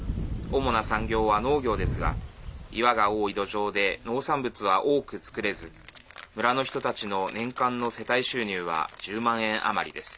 主な産業は農業ですが岩が多い土壌で農産物は多く作れず村の人たちの年間の世帯収入は１０万円余りです。